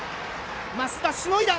升田、しのいだ！